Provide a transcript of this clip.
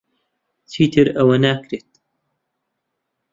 چیتر ئەوە ناکرێت.